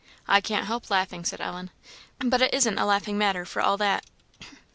I can't help laughing," said Ellen, "but it isn't a laughing matter, for all that."